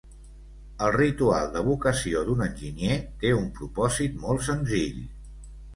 El Ritual de Vocació d'un Enginyer té un propòsit molt senzill.